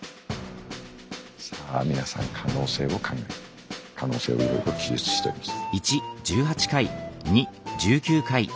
さあ皆さん可能性を考えて可能性をいろいろ記述しております。